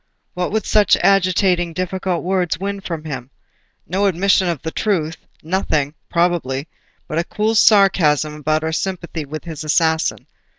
What would such agitating, difficult words win from him? No admission of the truth; nothing, probably, but a cool sarcasm about her sympathy with his assassin.